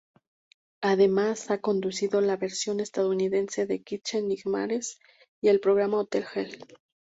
Además ha conducido la versión estadounidense de "Kitchen Nightmares" y el programa "Hotel Hell".